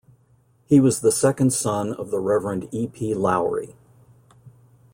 He was the second son of the Reverend E. P. Lowry.